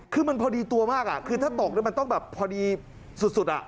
คือมันพอดีตัวมากคือถ้าตกมันต้องแบบพอดีสุดอ่ะ